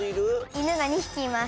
犬が２匹います。